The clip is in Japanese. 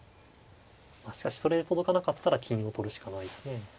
しかしそれで届かなかったら金を取るしかないですね。